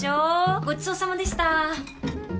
ごちそうさまでした。